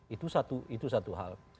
itu satu hal